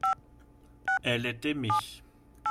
elle est aimée.